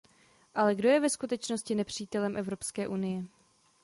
Ale kdo je ve skutečnosti nepřítelem Evropské unie?